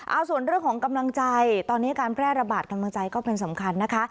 เอาส่วนเรื่องของกำลังใจตอนนี้การแพร่ระบาดกำลังใจก็เป็นสำคัญนะคะ